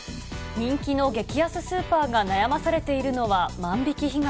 人気の激安スーパーが悩まされているのは万引き被害。